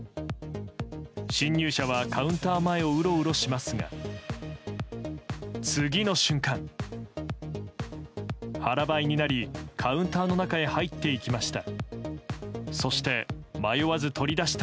侵入者はカウンター前をうろうろしますが次の瞬間、腹ばいになりカウンターの中へ入っていきました。